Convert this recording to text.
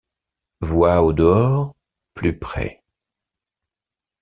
Voix au dehors, plus près.